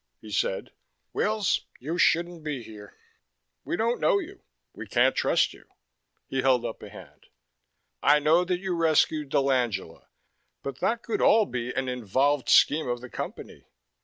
He said, "Wills, you shouldn't be here. We don't know you. We can't trust you." He held up a hand. "I know that you rescued dell'Angela. But that could all be an involved scheme of the Company.